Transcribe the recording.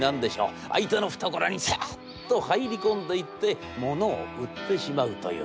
相手の懐にサッと入り込んでいって物を売ってしまうという。